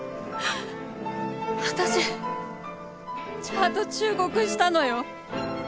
私ちゃんと忠告したのよ。